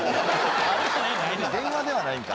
電話ではないんだ。